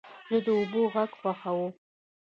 زه د اوبو غږ خوښوم.